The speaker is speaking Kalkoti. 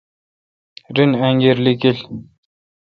رن انگیر لیکیل ۔